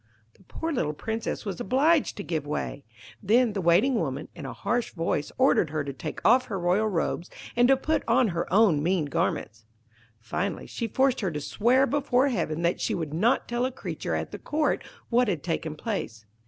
The poor little Princess was obliged to give way. Then the Waiting woman, in a harsh voice, ordered her to take off her royal robes, and to put on her own mean garments. Finally, she forced her to swear before heaven that she would not tell a creature at the Court what had taken place.